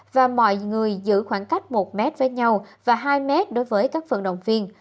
và mọi người giữ khoảng cách một m với nhau và hai m đối với các vận động viên